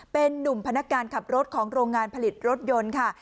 เป็นนุ่มพนักการขับรถของโรงงานผลิตรถยนต์ค่ะ